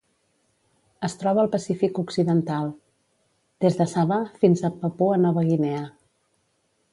Es troba al Pacífic occidental: des de Sabah fins a Papua Nova Guinea.